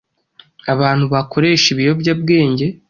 Abantu bakoresha ibiyobyabwenge